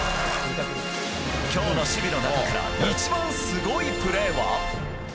きょうの守備の中から一番すごいプレーは。